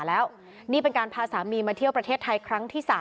แล้วนี่เป็นการพาสามีมาเที่ยวประเทศไทยครั้งที่๓